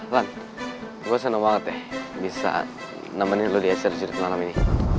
lan gue seneng banget ya bisa nemenin lo di acara judul malam ini